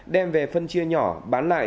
đem về phân chia nhỏ bán lại